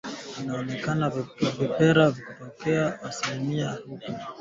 na kupunguza pengo kutoka asilimia sabini na tano mwaka elfu mia tisa tisini na nne